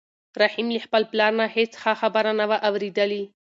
رحیم له خپل پلار نه هېڅ ښه خبره نه وه اورېدلې.